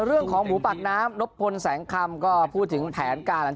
เรื่องของหมูปากน้ำนบพลแสงคำก็พูดถึงแผนการหลัง